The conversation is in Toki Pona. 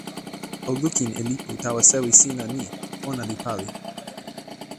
o lukin e lipu tawa sewi sina ni: ona li pali.